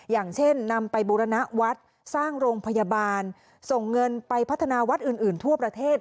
อย่างเช่นนำไปบูรณวัดสร้างโรงพยาบาลส่งเงินไปพัฒนาวัดอื่นทั่วประเทศ